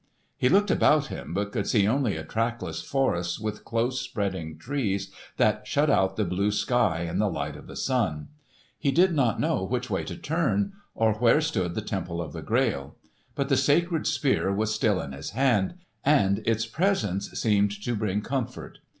He looked about him, but could see only a trackless forest with close spreading trees that shut out the blue sky and the light of the sun. He did not know which way to turn, or where stood the Temple of the Grail. But the sacred Spear was still in his hand, and its presence seemed to bring comfort.